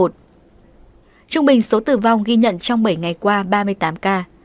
trung bình số tử vong ghi nhận trong bảy ngày qua ba mươi tám ca